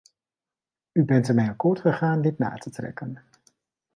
U bent ermee akkoord gegaan dit na te trekken.